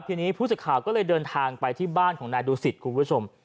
ทีนี้ผู้สื่อข่าวก็เลยเดินทางไปที่บ้านของนายดูสิตคุณผู้ชม